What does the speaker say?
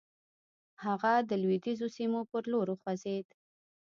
هغه د لويديځو سيمو پر لور وخوځېد.